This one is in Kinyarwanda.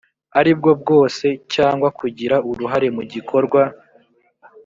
ari bwo bwose cyangwa kugira uruhare mu gikorwa